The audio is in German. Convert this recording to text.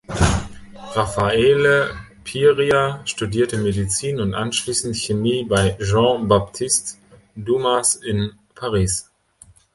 Raffaele Piria studierte Medizin und anschließend Chemie bei Jean-Baptiste Dumas in Paris.